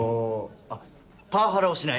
あっパワハラをしない。